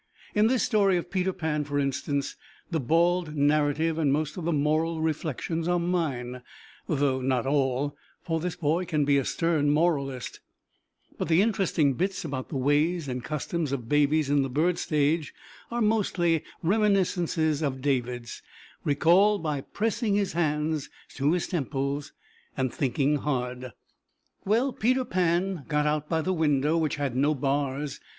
In this story of Peter Pan, for instance, the bald narrative and most of the moral reflections are mine, though not all, for this boy can be a stern moralist, but the interesting bits about the ways and customs of babies in the bird stage are mostly reminiscences of David's, recalled by pressing his hands to his temples and thinking hard. Well, Peter Pan got out by the window, which had no bars.